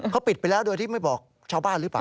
เขาปิดไปแล้วโดยที่ไม่บอกชาวบ้านหรือเปล่า